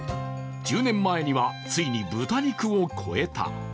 １０年前には、ついに豚肉を超えた。